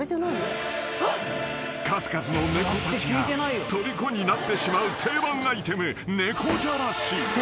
［数々の猫たちがとりこになってしまう定番アイテム猫じゃらし］